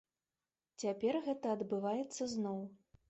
Цяпер гэта адбываецца зноў.